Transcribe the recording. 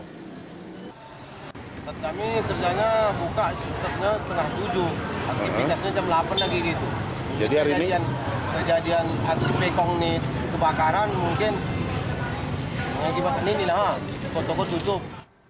ketika ini terbakar mungkin toko toko tutup